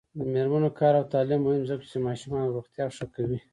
د میرمنو کار او تعلیم مهم دی ځکه چې ماشومانو روغتیا ښه کو.